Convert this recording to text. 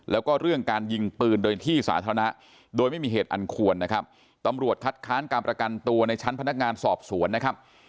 แล้วก็เรื่องการยิงปืนโดยที่สาธารณะโดยไม่มีเหตุอันควรนะครับตำรวจคัดค้านการประกันตัวในชั้นพนักงานสอบสวนนะครับ